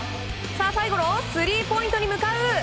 最後のスリーポイントに向かう。